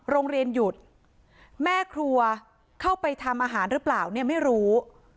โรงเรียนหยุดแม่ครัวเข้าไปทำอาหารหรือเปล่าเนี่ยไม่รู้